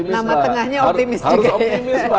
nama tengahnya optimis juga ya